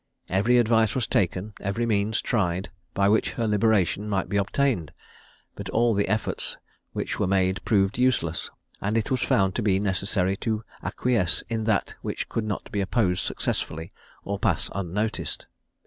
Every advice was taken, every means tried, by which her liberation might be obtained; but all the efforts which were made proved useless, and it was found to be necessary to acquiesce in that which could not be opposed successfully or pass unnoticed.